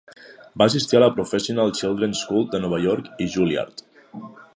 Va assistir a la Professional Children's School de Nova York i Juilliard.